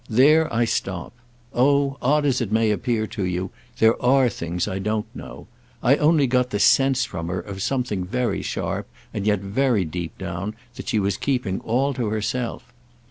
"There I stop. Oh, odd as it may appear to you, there are things I don't know. I only got the sense from her of something very sharp, and yet very deep down, that she was keeping all to herself.